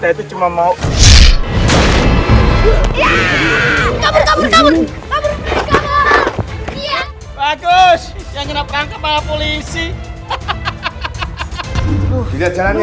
itu cuma mau bagus polisi